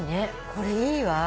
これいいわ。